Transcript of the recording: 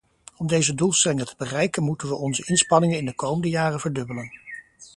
Om deze doelstellingen te bereiken moeten we onze inspanningen in de komende jaren verdubbelen.